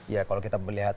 ya kalau kita melihat